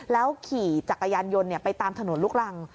ขี่จักรยานยนต์ไปตามถนนลูกรัง